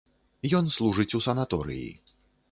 Ён служыць у санаторыі.